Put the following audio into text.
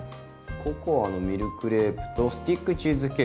「ココアのミルクレープとスティックチーズケーキ」。